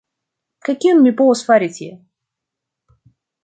Kaj kion mi povos fari tie?